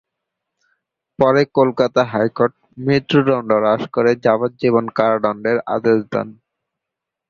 পরে কলকাতা হাইকোর্ট মৃত্যুদণ্ড হ্রাস করে যাবজ্জীবন কারাদণ্ডের আদেশ দেন।